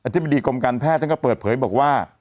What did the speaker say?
ธิบดีกรมการแพทย์ท่านก็เปิดเผยบอกว่า